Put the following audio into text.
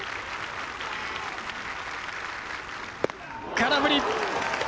空振り！